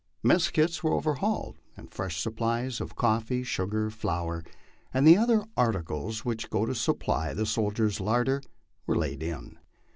Mess kits were overhauled, and fresh supplies of cofiee, sugar, flour, and the other articles which go to supply the soldier's larder, were laid in.